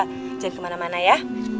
jangan kemana mana ya